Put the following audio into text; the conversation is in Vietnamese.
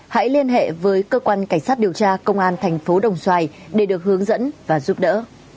hãy liên hệ với cơ quan cảnh sát điều tra công an thành phố đồng xoài để được hướng dẫn và giúp đỡ